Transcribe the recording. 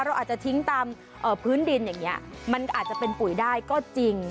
เราอาจจะทิ้งตามพื้นดินอย่างนี้มันอาจจะเป็นปุ๋ยได้ก็จริง